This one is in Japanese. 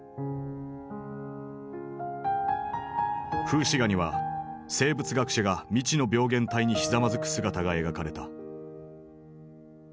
風刺画には生物学者が未知の病原体にひざまずく姿が描かれた。